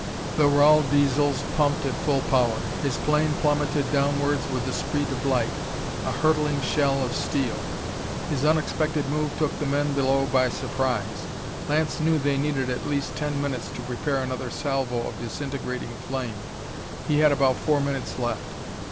The Rahl Diesels pumped at full power; his plane plummetted downwards with the speed of light, a hurtling shell of steel. His unexpected move took the men below by surprise. Lance knew they needed at least ten minutes to prepare another salvo of disintegrating flame; he had about four minutes left.